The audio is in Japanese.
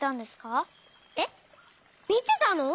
えっみてたの？